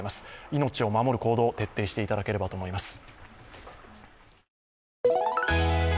命を守る行動を徹底していただければと思います。